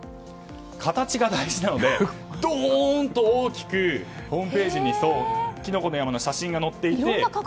形が大事なので、ドーンと大きくホームページにきのこの山の写真が載っていて。